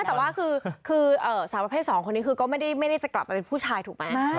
แต่ว่าคือสาวประเภท๒คนนี้คือก็ไม่ได้จะกลับไปเป็นผู้ชายถูกไหม